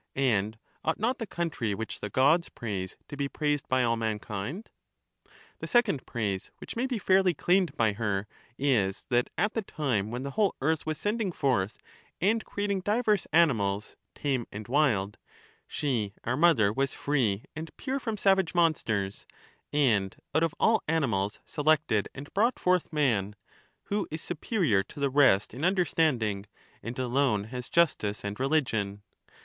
And ought not the country which the Gods praise to be praised by all mankind? The second praise which may be fairly claimed by her, is that at the time when the whole earth was sending forth and creating diverse animals, tame and wild, she our mother was free and The pre eminence of Attica. 521 pure from savage monsters, and out of all animals selected Memxenus. and brought forth man, who is superior to the rest in under Socrates. standing, and alone has justice and religion.